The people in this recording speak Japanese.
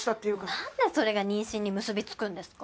なんでそれが妊娠に結び付くんですか？